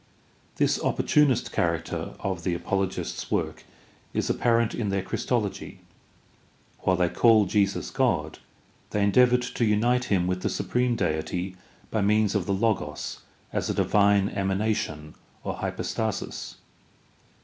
This opportunist character of the apologists' work is apparent in their Christology. While they called Jesus God, they endeavored to unite him with the supreme Deity by means of the Logos as a divine emanation or hypostasis.